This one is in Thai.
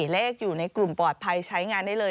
เลขอยู่ในกลุ่มปลอดภัยใช้งานได้เลย